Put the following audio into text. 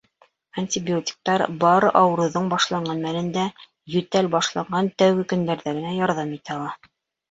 Антибиотиктар бары ауырыуҙың башланған мәлендә, йүтәл башланған тәүге көндәрҙә генә ярҙам итә ала.